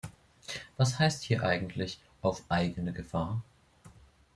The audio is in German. Was heißt hier eigentlich "auf eigene Gefahr"?